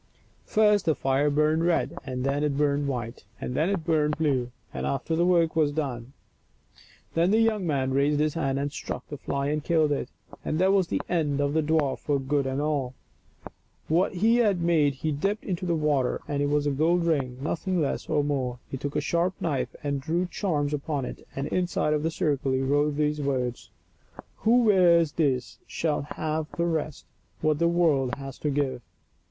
First the fire burned red, and then it burned white, and then it burned blue, and after that the work was done. Then the young man raised his hand and struck the fly and killed it, and that was an end of the dwarf for good and all. What he had made he dipped into the water and it was a gold ring, nothing less nor more. He took a sharp knife and drew charms upon it, and inside of the circle he wrote these words :" WHO WEARS THIS SHALL HAVE THE BEST THAT THE WORLD HAS TO GIVE."